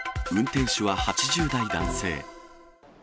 運転手は８０代男性。